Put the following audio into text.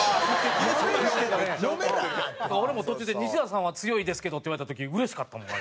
俺も途中で「西田さんは強いですけど」って言われた時うれしかったもん。